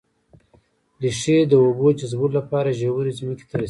ريښې د اوبو جذبولو لپاره ژورې ځمکې ته رسېږي